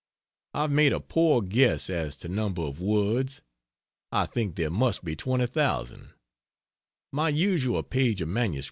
I've made a poor guess as to number of words. I think there must be 20,000. My usual page of MS.